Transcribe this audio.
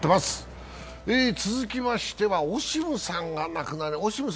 続きましてはオシムさんが亡くなりました。